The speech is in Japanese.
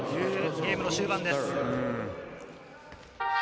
ゲームの終盤です。